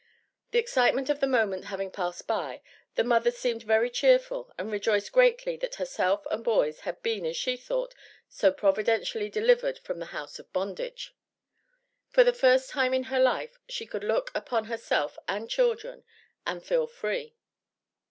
The excitement of the moment having passed by, the mother _seemed very cheerful, and rejoiced greatly that herself and boys had been, as she thought, so "providentially delivered from the house of bondage_!" For the first time in her life she could look upon herself and children and feel free!